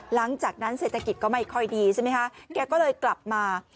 หลังจากนั้นเศรษฐกิจก็ไม่ค่อยดีใช่ไหมคะแกก็เลยกลับมา